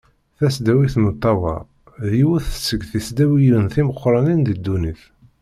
Tasdawit n Uṭawa d yiwet seg tesdawiyin timeqqranin di ddunit.